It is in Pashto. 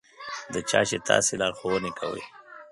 د چا چې تاسې لارښوونه کوئ.